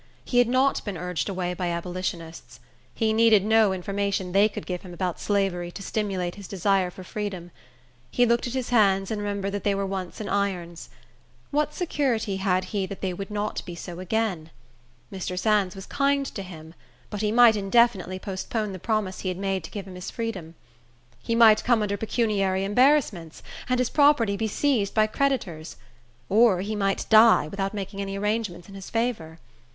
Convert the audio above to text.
He had not been urged away by abolitionists. He needed no information they could give him about slavery to stimulate his desire for freedom. He looked at his hands, and remembered that they were once in irons. What security had he that they would not be so again? Mr. Sands was kind to him; but he might indefinitely postpone the promise he had made to give him his freedom. He might come under pecuniary embarrassments, and his property be seized by creditors; or he might die, without making any arrangements in his favor.